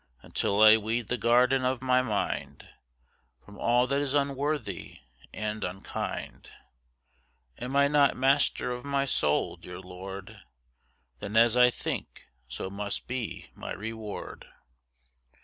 Until I weed the garden of my mind From all that is unworthy and unkind, Am I not master of my mind, dear Lord? Then as I think, so must be my reward.